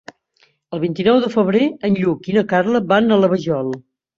El vint-i-nou de febrer en Lluc i na Carla van a la Vajol.